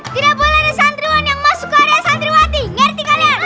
tidak boleh santuan yang masuk karya santriwati ngerti kalian